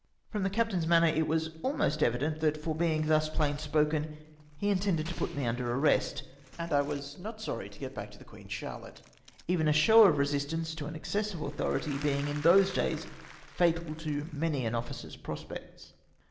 From the captain's manner, it was almost evident that, for being thus plain spoken, he intended to put me under arrest, and I was not sorry to get back to the Queen Charlotte; even a show of resistance to an excess of authority being in those days ftital to many an officer's prospects.